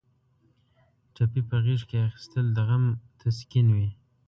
ټپي په غېږ کې اخیستل د غم تسکین وي.